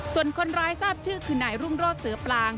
ส่วนคนร้ายทราบชื่อคือนายรุ่งโรศเสือปลาง